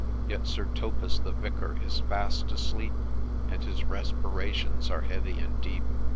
Yet Sir Thopas the Vicar is fast asleep, And his respirations are heavy and deep